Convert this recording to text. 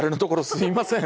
すいません。